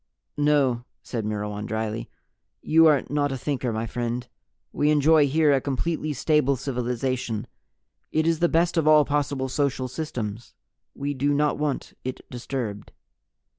"No," said Myrwan dryly. "You are not a Thinker, my friend. We enjoy here a completely stable civilization. It is the best of all possible social systems. We do not want it disturbed."